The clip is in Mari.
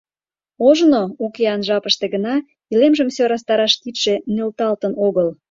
Ожно, укеан жапыште гына, илемжым сӧрастараш кидше нӧлталтын огыл.